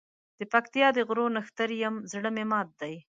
دپکتیا د غرو نښتر یم زړه مي مات دی